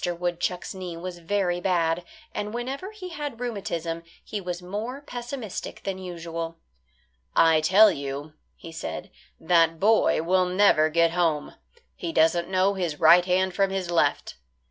Woodchuck's knee was very bad, and whenever he had rheumatism he was more pessimistic than usual. "I tell you," said he, "that boy will never get home. He doesn't know his right hand from his left."